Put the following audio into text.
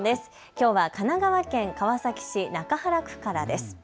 きょうは神奈川県川崎市中原区からです。